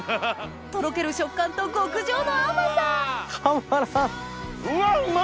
とろける食感と極上の甘さうわっうま！